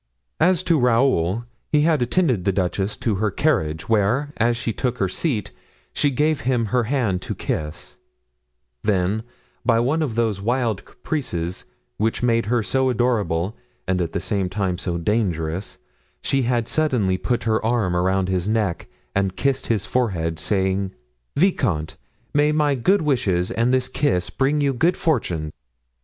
As to Raoul, he had attended the duchess to her carriage, where, as she took her seat, she gave him her hand to kiss; then, by one of those wild caprices which made her so adorable and at the same time so dangerous, she had suddenly put her arm around his neck and kissed his forehead, saying: "Vicomte, may my good wishes and this kiss bring you good fortune!"